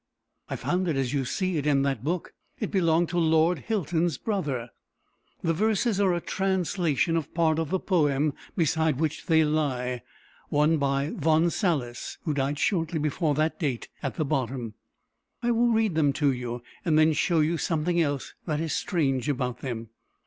"I found it as you see it, in that book. It belonged to Lord Hilton's brother. The verses are a translation of part of the poem beside which they lie one by Von Salis, who died shortly before that date at the bottom. I will read them to you, and then show you something else that is strange about them.